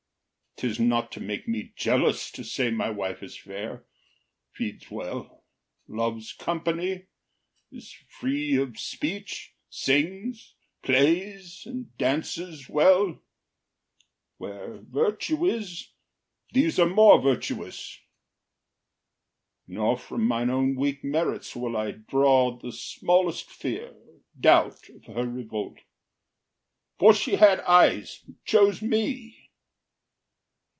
’Tis not to make me jealous, To say my wife is fair, feeds well, loves company, Is free of speech, sings, plays, and dances well; Where virtue is, these are more virtuous: Nor from mine own weak merits will I draw The smallest fear or doubt of her revolt, For she had eyes, and chose me.